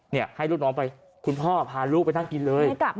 ให้ลูกน้องไปคุณพ่อพาลูกไปนั่งกินเลย